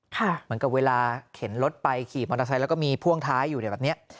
เหมือนกับเวลาเข็นรถไปขี่มอเตอร์ไซค์แล้วก็มีพ่วงท้ายอยู่เนี่ยแบบเนี้ย